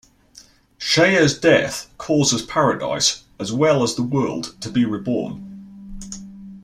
Cheza's death causes Paradise, as well as the world, to be reborn.